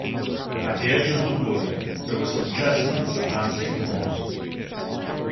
At the edge of the wood there were some chestnuts and sycamores.